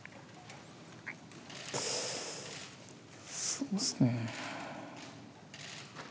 そうですね。